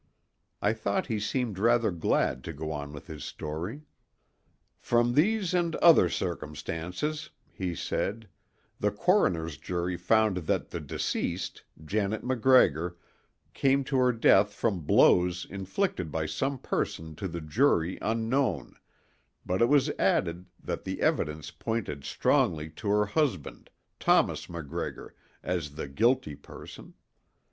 I thought he seemed rather glad to go on with his story. "From these and other circumstances," he said, "the coroner's jury found that the deceased, Janet MacGregor, came to her death from blows inflicted by some person to the jury unknown; but it was added that the evidence pointed strongly to her husband, Thomas MacGregor, as the guilty person.